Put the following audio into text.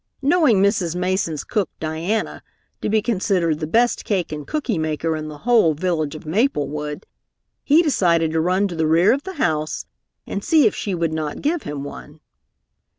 Knowing Mrs. Mason's cook, Diana, to be considered the best cake and cookie maker in the whole village of Maplewood, he decided to run to the rear of the house and see if she would not give him one.